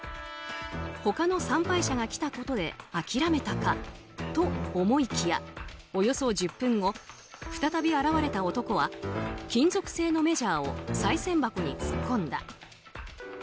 他の参拝者が来たことで諦めたかと思いきやおよそ１０分後、再び現れた男は金属製のメジャーをさい銭箱に突っ込んだ。